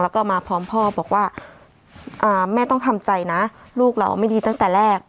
แล้วก็มาพร้อมพ่อบอกว่าแม่ต้องทำใจนะลูกเราไม่ดีตั้งแต่แรก